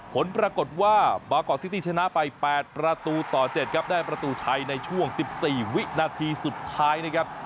ผลปรากฏว่ามากอกซิตี้ชนะไป๘ประตูต่อ๗ครับได้ประตูชัยในช่วง๑๔วินาทีสุดท้ายนะครับ